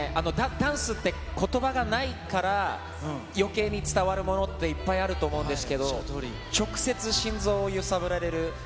ダンスってことばがないから、よけいに伝わるものっていっぱいあると思うんですけれども、直接心臓を揺さぶられる。